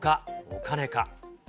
お金か？